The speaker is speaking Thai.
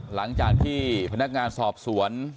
หลังจากที่พนักงานสอบสวน